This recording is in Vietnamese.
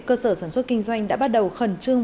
cơ sở sản xuất kinh doanh đã bắt đầu khẩn trương